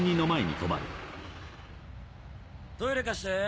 トイレ貸して。